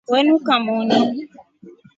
We nuka momu.